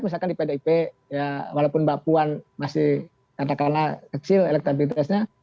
misalkan di pdip walaupun bapuan masih katakanlah kecil elektabilitasnya